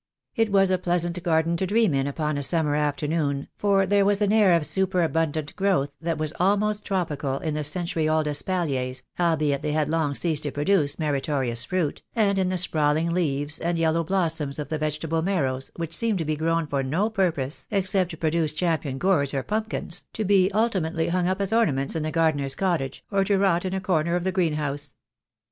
It was a pleasant garden to dream in upon a summer afternoon, for there was an air of superabundant growth that was almost tropical in the century old espaliers, albeit they had long ceased to produce meritorious fruit, and in the sprawling leaves and yellow blossoms of the vegetable marrows which seemed to be grown for no purpose except to pro duce champion gourds or pumpkins, to be ultimately hung up as ornaments in the gardener's cottage, or to rot in a corner of the greenhouse.